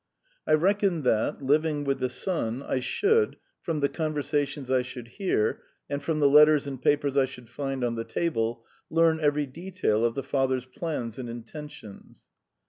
I reckoned that, living with the son, I should from the conversations I should hear, and from the letters and papers I should find on the table learn every detail of the father's plans and intentions.